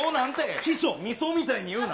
ヒ素をみそみたいに言うな。